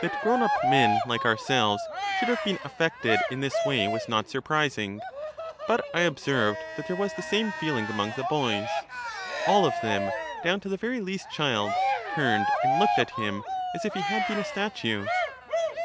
That grown up men like ourselves should have been affected in this way was not surprising, but I observed that there was the same feeling among the boys ; all of them, down to the very least child, turned and looked at him as if he had been a statue.